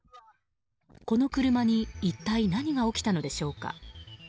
この車に一体、何が起きたのでしょうか。